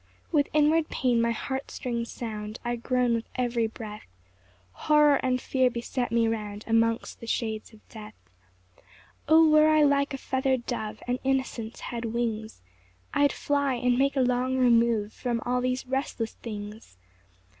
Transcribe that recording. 3 With inward pain my heart strings sound, I groan with every breath; Horror and fear beset me round Amongst the shades of death, 4 O were I like a feather'd dove, And innocence had wings, I'd fly, and make a long remove, From all these restless things.